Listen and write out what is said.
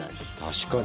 確かに。